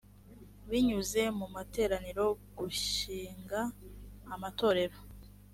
binyuze mu materaniro gushinga amatorero